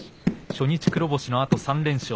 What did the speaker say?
初日黒星のあと、３連勝。